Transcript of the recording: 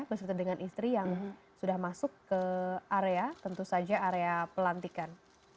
begitu dengan istri yang sudah masuk ke area tentu saja area pelantikan